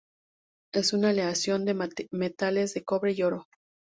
Es una aleación de metales de cobre y oro.